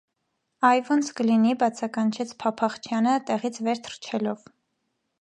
Ա՛յ ոնց կլինի,- բացականչեց Փափախչյանը տեղից վեր թռչելով: